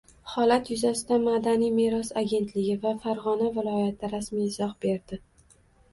Holat yuzasidan Madaniy meros agentligi va Farg‘ona viloyati rasmiy izoh berdi